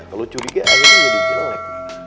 kalau curiga akhirnya jadi jelek